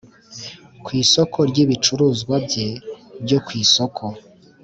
ku isoko ry ibicuruzwa bye byo ku isoko